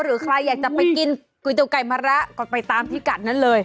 หรือใครอยากจะไปกินก๋วยเตี๋ไก่มะระก็ไปตามพิกัดนั้นเลย